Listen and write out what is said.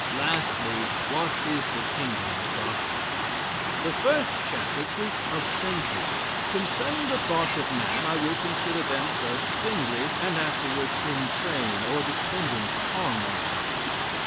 "Lastly, what is the kingdom of darkness. "The first chapter treats of 'Senses.' Concerning the thoughts of man, I will consider them first singly, and afterwards in train, or dependence upon one another.